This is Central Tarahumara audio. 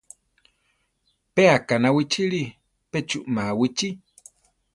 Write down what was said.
Pe aʼkaná wichíli, pe chuʼmáa wichí.